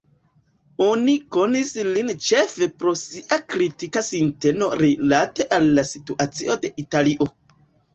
Oni konis lin ĉefe pro sia kritika sinteno rilate al la situacio de Italio.